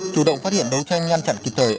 chủ động phát hiện đấu tranh ngăn chặn kịp thời